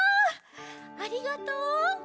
ありがとう！